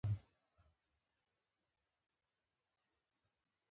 کورس د مسلک ټاکلو کې مرسته کوي.